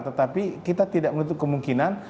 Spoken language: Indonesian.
tetapi kita tidak menutup kemungkinan